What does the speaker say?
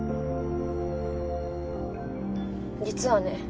実はね